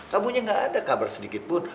kamunya gak ada kabar sedikitpun